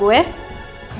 gue juga bisa jatuh